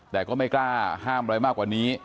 แต่ก็ไม่กล้าห้ามอะไรมากกว่านี้